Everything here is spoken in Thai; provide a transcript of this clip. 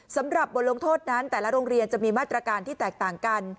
สำหรับบทลงโทษนั้นแต่ละโรงเรียนจะมีมาตรการที่แตกต่างกัน